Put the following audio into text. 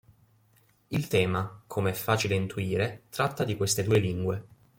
Il tema, come è facile intuire, tratta di queste due lingue.